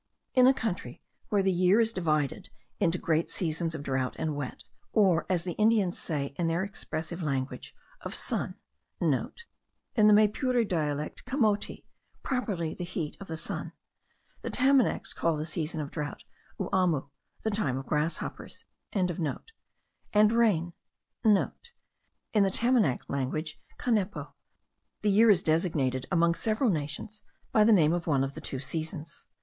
In a country where the year is divided into great seasons of drought and wet, or, as the Indians say in their expressive language, of sun* (* In the Maypure dialect camoti, properly the heat [of the sun]. The Tamanacs call the season of drought uamu, the time of grasshoppers.) and rain* (* In the Tamanac language canepo. The year is designated, among several nations, by the name of one of the two seasons.